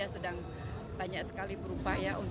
tapi kemudian saya kembali ke banyan